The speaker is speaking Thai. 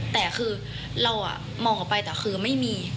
แต่คือเรามองออกไปแต่คือไม่มี